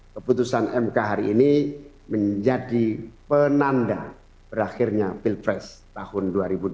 keputusan mk hari ini menjadi penanda berakhirnya pilpres tahun dua ribu dua puluh